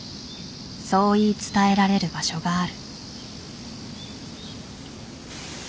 そう言い伝えられる場所がある。